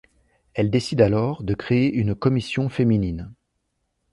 Elle décide alors de créer une commission féminine.